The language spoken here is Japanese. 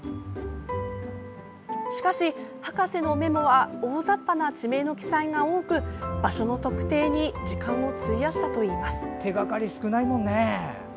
しかし、博士のメモは大ざっぱな地名の記載が多く場所の特定に時間を費やしたといいます。